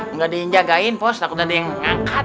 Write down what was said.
enggak di jagain pos takut ada yang ngangkat